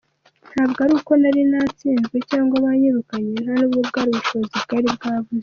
Ntabwo ari uko nari natsinzwe cyangwa banyirukanye nta n’ubwo bwari ubushobozi bwari bwabuze.